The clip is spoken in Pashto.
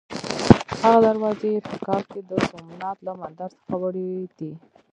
هغه دروازې یې په کال کې د سومنات له مندر څخه وړې دي.